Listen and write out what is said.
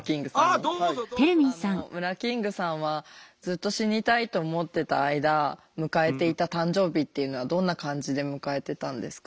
あのムラキングさんはずっと死にたいと思ってた間迎えていた誕生日っていうのはどんな感じで迎えてたんですか？